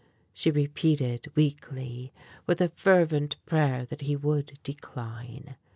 she repeated weakly, with a fervent prayer that he would decline.